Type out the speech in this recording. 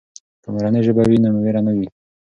که مورنۍ ژبه وي نو وېره نه وي.